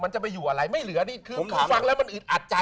มันจะไปอยู่อะไรไม่เหลือฟังแล้วมันอิดอัดใจ